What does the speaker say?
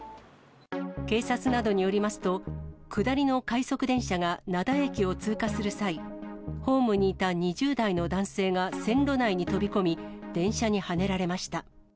警察などによりますと、下りの快速電車が灘駅を通過する際、ホームにいた２０代の男性が線路内に飛び込み、電車にはねられました。